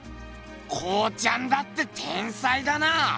康ちゃんだって天才だな！